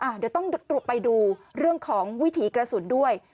เดี๋ยวต้องตรวจไปดูเรื่องของวิถีกระสุนด้วย